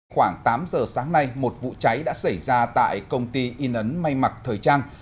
khoảng tám giờ sáng nay một vụ cháy đã xảy ra tại công ty in ấn may mặc thời trang